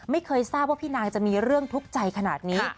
ไม่เคยทราบว่าพี่นางจะมีเรื่องทุกข์ใจขนาดนี้